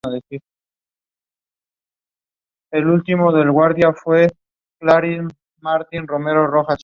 Casado con Estela, sus hijos son Facundo, Nahuel y Antonio Luis.